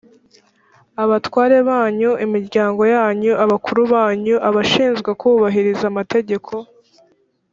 abatware banyu, imiryango yanyu, abakuru banyu, abashinzwe kubahiriza amategeko,